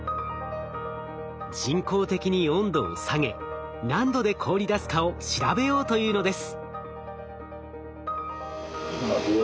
人工的に温度を下げ何度で凍りだすかを調べようというのです。